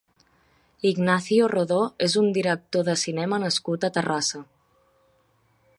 Ignacio Rodó és un director de cinema nascut a Terrassa.